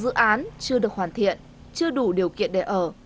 dự án chưa được hoàn thiện chưa đủ điều kiện để ở